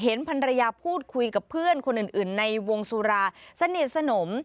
พันรยาพูดคุยกับเพื่อนคนอื่นในวงสุราสนิทสนม